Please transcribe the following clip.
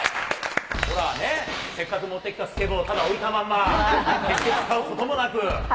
ほらね、せっかく持ってきたスケボー、ただ置いたまんま、決して使うこともなく。